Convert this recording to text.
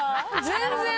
全然。